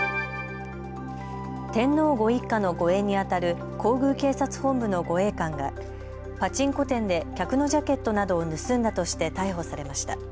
天皇ご一家の護衛にあたる皇宮警察本部の護衛官がパチンコ店で客のジャケットなどを盗んだとして逮捕されました。